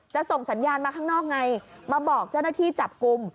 ส่งสัญญาณมาข้างนอกไงมาบอกเจ้าหน้าที่จับกลุ่ม